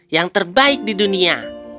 yang terbaik di dunia